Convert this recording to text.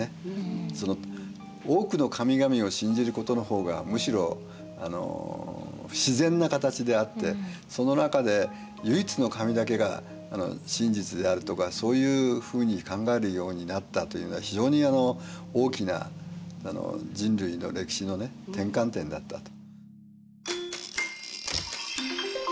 その多くの神々を信じることの方がむしろ自然な形であってその中で唯一の神だけが真実であるとかそういうふうに考えるようになったというのは非常に大きな人類の歴史のね転換点だったと。